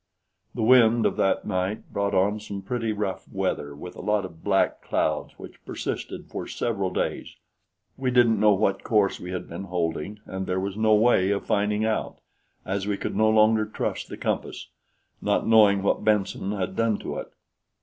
The wind of that night brought on some pretty rough weather with a lot of black clouds which persisted for several days. We didn't know what course we had been holding, and there was no way of finding out, as we could no longer trust the compass, not knowing what Benson had done to it.